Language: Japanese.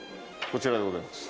こちらでございます。